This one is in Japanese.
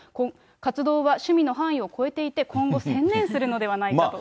活動は趣味の範囲を超えていて、今後、専念するのではないかと。